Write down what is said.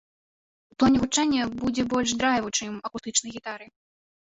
І ў плане гучання будзе больш драйву, чым акустычнай гітары.